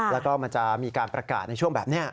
แล้วก็มันจะมีการประกาศในช่วงแบบนี้